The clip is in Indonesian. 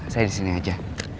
saya disini aja